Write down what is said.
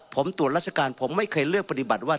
ผมตรวจราชการผมไม่เคยเลือกปฏิบัติว่า